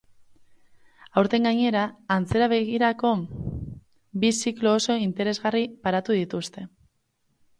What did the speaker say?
Aurten, gainera, atzera begirako bi ziklo oso interesgarri paratu dituzte.